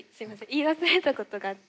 言い忘れたことがあって。